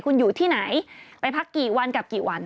คุณอยู่ที่ไหนไปพักกี่วันกับกี่วัน